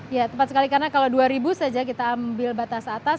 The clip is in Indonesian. ya tepat sekali karena kalau dua ribu saja kita ambil batas atas